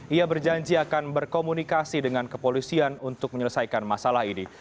ia berjanji akan berkomunikasi dengan kepolisian untuk menyelesaikan masalah ini